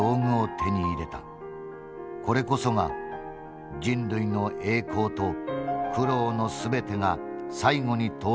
これこそが人類の栄光と苦労の全てが最後に到達した運命である」。